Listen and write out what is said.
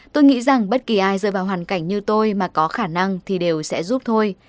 tôi nghĩ rằng bất kỳ ai rơi vào hoàn cảnh như tôi mà có khả năng thì đều sẽ giúp thôi